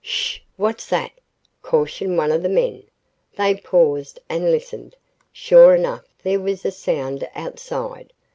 "Sh! What's that?" cautioned one of the men. They paused and listened. Sure enough, there was a sound outside.